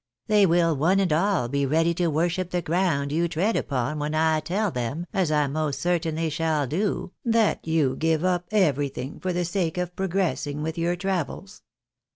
They will one and all be ready to worship the ground you tread upon when I tell them, as I most certainly shall do, that you give up everything for the sake of progressing with your travels.